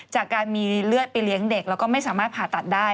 จากการมีเลือดไปเลี้ยงเด็กแล้วก็ไม่สามารถผ่าตัดได้